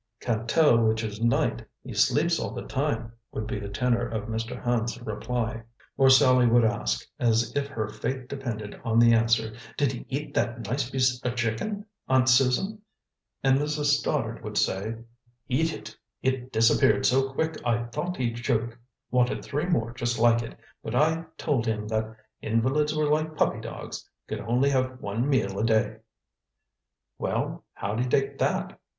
"Can't tell which is night; he sleeps all the time," would be the tenor of Mr. Hand's reply. Or Sallie would ask, as if her fate depended on the answer, "Did he eat that nice piece er chicken, Aunt Susan?" And Mrs. Stoddard would say, "Eat it! It disappeared so quick I thought he'd choke. Wanted three more just like it, but I told him that invalids were like puppy dogs could only have one meal a day." "Well, how'd he take that?"